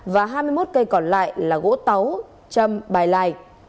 và hai mươi một cây còn lại là gỗ táo châm bài lại